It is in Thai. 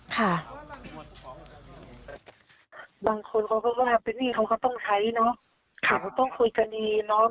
บางคนเขาก็ว่าเป็นหนี้เขาก็ต้องใช้เนาะ